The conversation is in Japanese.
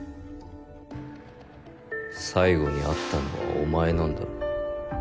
最後に会ったのはお前なんだろ？